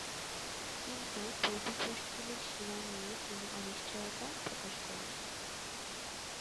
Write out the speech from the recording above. কিন্তু পূর্ব-পশ্চিমের সীমা নিয়ে তিনি অনিশ্চয়তা প্রকাশ করেছেন।